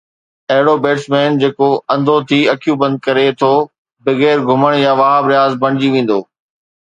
اهڙو بيٽسمين جيڪو انڌو ٿي اکيون بند ڪري ٿو بغير گھمڻ يا وهاب رياض بڻجي ويندو.